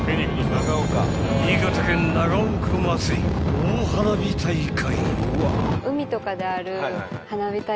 ［新潟県長岡まつり大花火大会］